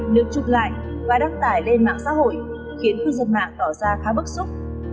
được chụp lại và đăng tải lên mạng xã hội khiến cư dân mạng tỏ ra khá bức xúc